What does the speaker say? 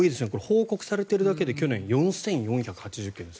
報告されているだけで去年、４４８０件です。